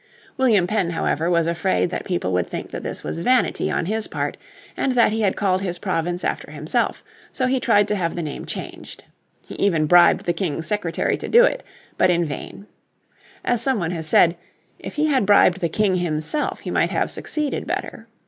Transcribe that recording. William Penn, however, was afraid that people would think that this was vanity on his part, and that he had called his province after himself; so he tried to have the name changed. He even bribed the King's secretary to do it, but in vain. As some one has said, if he had bribed the King himself he might have succeeded better.